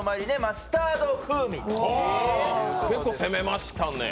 結構攻めましたね。